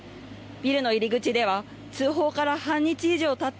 ビルの入り口では、通報から半日以上たった